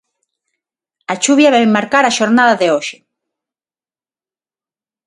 A chuvia vai marcar a xornada de hoxe.